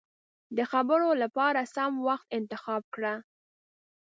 د خبرو له پاره سم وخت انتخاب کړه.